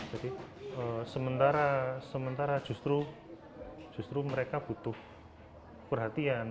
sementara justru mereka butuh perhatian